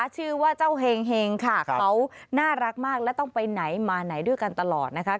ชื่อว่าเจ้าเห็งค่ะเขาน่ารักมากและต้องไปไหนมาไหนด้วยกันตลอดนะคะ